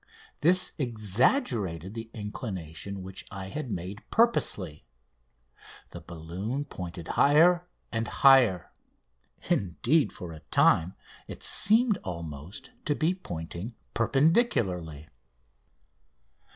This exaggerated the inclination which I had made purposely. The balloon pointed higher and higher. Indeed, for a time, it seemed almost to be pointing perpendicularly.